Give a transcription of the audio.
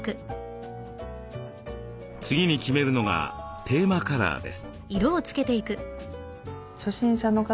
次に決めるのがテーマカラーです。